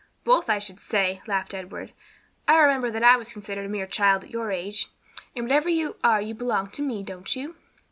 "Both, I should say," laughed Edward. "I remember that I was considered a mere child at your age. And whatever you are you belong to me, don't you?"